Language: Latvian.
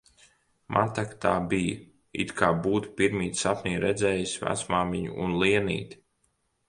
Man tak tā bij, it kā būtu pirmīt sapnī redzējis vecmāmiņu un Lienīti